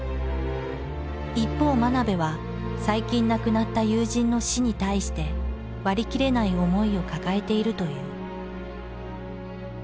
一方真鍋は最近亡くなった友人の死に対して割り切れない思いを抱えているという。